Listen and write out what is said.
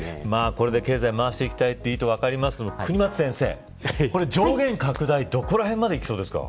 これで経済を回していきたいという意図は分かりますが國松先生、これ上限拡大どこらへんまでいきそうですか。